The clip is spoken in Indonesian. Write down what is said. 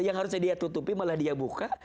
yang harusnya dia tutupi malah dia buka